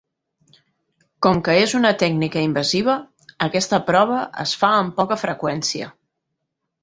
Com que és una tècnica invasiva, aquesta prova es fa amb poca freqüència.